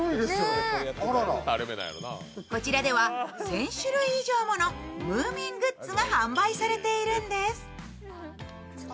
こちらでは１０００種類以上ものムーミングッズが販売されているんです。